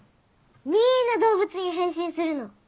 みんな動物に変身するの。